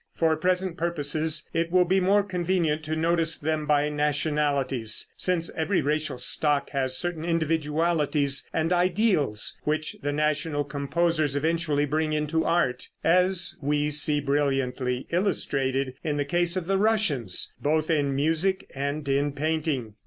For present purposes it will be more convenient to notice them by nationalities, since every racial stock has certain individualities and ideals which the national composers eventually bring into art, as we see brilliantly illustrated in the case of the Russians, both in music and in painting.